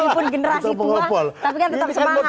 walaupun generasi tua tapi kan tetap semangat